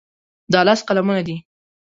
دا لس قلمونه دي.